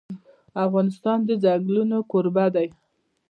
افغانستان د چنګلونه کوربه دی.